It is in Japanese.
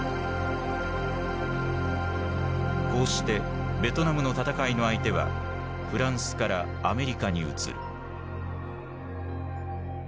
こうしてベトナムの戦いの相手はフランスからアメリカに移る。